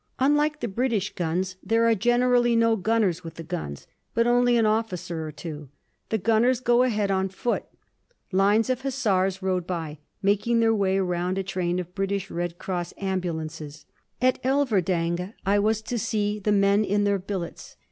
Unlike the British guns, there are generally no gunners with the guns, but only an officer or two. The gunners go ahead on foot. Lines of hussars rode by, making their way slowly round a train of British Red Cross ambulances. At Elverdingue I was to see the men in their billets.